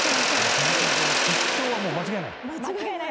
データ上は決勝は間違いない。